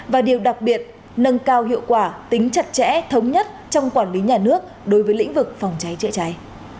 và điều đặc biệt nâng cao hiệu quả tính chặt chẽ thống nhất trong quản lý nhà nước đối với lĩnh vực phòng cháy chữa cháy